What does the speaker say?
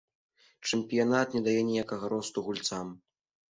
Чэмпіянат не дае ніякага росту гульцам.